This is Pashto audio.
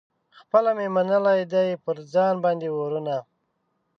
پخپله مي منلي دي پر ځان باندي اورونه